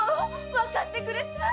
わかってくれた？